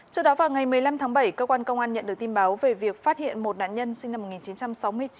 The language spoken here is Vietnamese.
trước đó vào ngày một mươi năm tháng bảy cơ quan công an nhận được tin báo về việc phát hiện một nạn nhân sinh năm một nghìn chín trăm sáu mươi chín